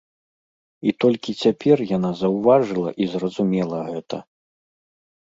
І толькі цяпер яна заўважыла і зразумела гэта.